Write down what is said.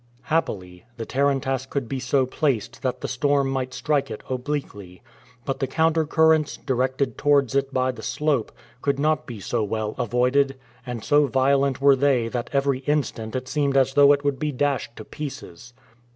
Happily, the tarantass could be so placed that the storm might strike it obliquely. But the counter currents, directed towards it by the slope, could not be so well avoided, and so violent were they that every instant it seemed as though it would be dashed to pieces.